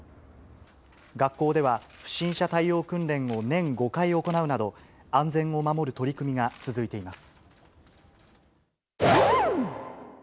学校では不審者対応訓練を年５回行うなど、安全を守る取り組みが続いています。